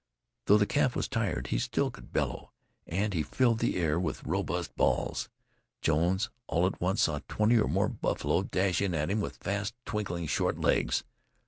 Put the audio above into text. Though the calf was tired, he still could bellow, and he filled the air with robust bawls. Jones all at once saw twenty or more buffalo dash in at him with fast, twinkling, short legs.